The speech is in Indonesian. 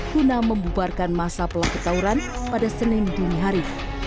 guna membubarkan masa pelaku tauran pada senin dini hari